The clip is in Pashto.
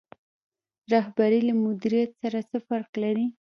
رهبري له مدیریت سره څه فرق لري؟